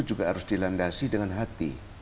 juga harus dilandasi dengan hati